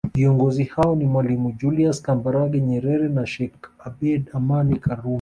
Viongozi hao ni mwalimu Julius Kambarage Nyerere na Sheikh Abed Amani Karume